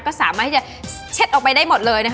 ก็สามารถต้องเช็ดออกไปได้หมดเลย